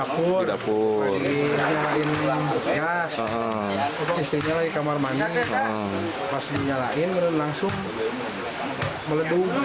pas dinyalain langsung meleduk